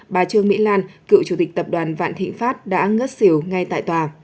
bà trương mỹ lan cựu chủ tịch tập đoàn vạn thị pháp đã ngất xỉu ngay tại tòa